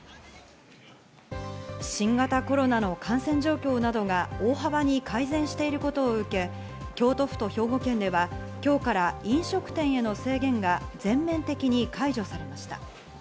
新型コロナの感染状況などが大幅に改善していることを受け、京都府と兵庫県では今日から飲食店への制限が全面的に解除されました。